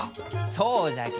そうじゃき。